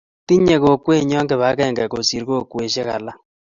Tinyei kokwenyo kibagenge kosir kokwesiek alak